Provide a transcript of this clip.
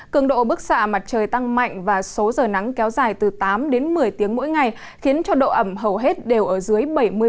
cường độ bức xạ mặt trời tăng mạnh và số giờ nắng kéo dài từ tám đến một mươi tiếng mỗi ngày khiến cho độ ẩm hầu hết đều ở dưới bảy mươi